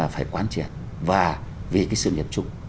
phải quan trọng và về sự nghiệp chung